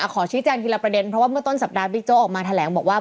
ขอชี้แจงทีละประเด็นเพราะว่าเมื่อต้นสัปดาห์บิ๊กโจ๊กออกมาแถลงบอกว่า